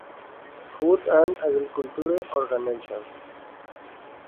Food and Agriculture Organization.